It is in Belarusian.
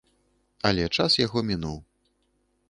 Але час яго мінуў.